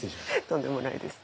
とんでもないです。